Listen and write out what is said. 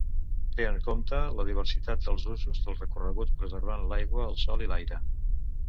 Té en compte la diversitat dels usos del recorregut preservant l'aigua, el sòl i l'aire.